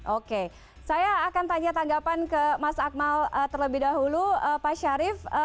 oke saya akan tanya tanggapan ke mas akmal terlebih dahulu pak syarif